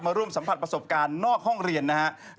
ร่วมสัมผัสประสบการณ์นอกห้องเรียนนะครับ